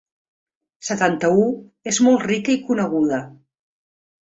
Setanta-u és molt rica i coneguda.